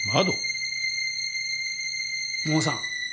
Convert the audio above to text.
モーさん